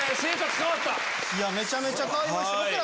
めちゃめちゃ変わりました